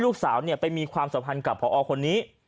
ลูกสาวเป็นคนมีความสะพันกับผอคนนี้